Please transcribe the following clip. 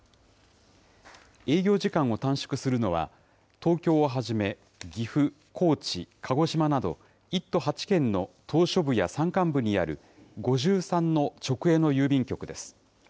営業時間を短縮するのは、東京をはじめ、岐阜、高知、鹿児島など、１都８県の島しょ部や山間部にある５３の直営の郵便局です。